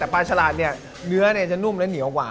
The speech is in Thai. ปลาฉลาดเนี่ยเนื้อจะนุ่มและเหนียวกว่า